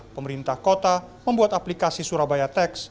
pemerintah kota membuat aplikasi surabaya tax